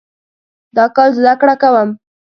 دا کال زده کړه کوم